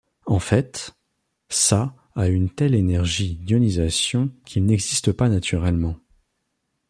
En fait, Ca a une telle énergie d'ionisation qu'il n'existe pas naturellement.